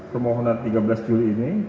permohonan tiga belas juli ini